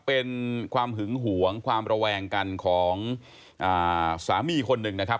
เป็นความหึงหวงความระแวงกันของสามีคนหนึ่งนะครับ